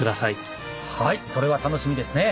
はいそれは楽しみですね。